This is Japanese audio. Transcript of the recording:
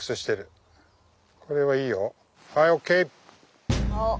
はいＯＫ。